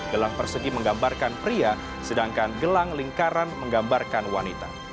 gelang persegi menggambarkan pria sedangkan gelang lingkaran menggambarkan wanita